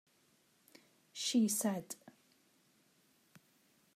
' she said.